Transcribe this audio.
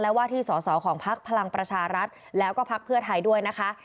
ว่าที่สอสอของพักพลังประชารัฐแล้วก็พักเพื่อไทยด้วยนะคะ